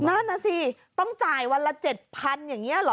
นั่นน่ะสิต้องจ่ายวันละ๗๐๐อย่างนี้เหรอ